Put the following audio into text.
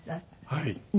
はい。